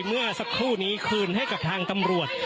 เมื่อสักครู่นี้คืนให้กับทางตำรวจ